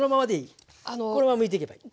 このままむいていけばいい。